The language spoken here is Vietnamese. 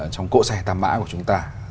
trong cỗ xe tàm mã của chúng ta